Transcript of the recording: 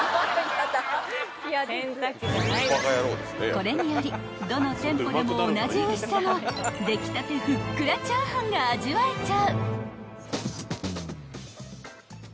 ［これによりどの店舗でも同じおいしさの出来たてふっくらチャーハンが味わえちゃう］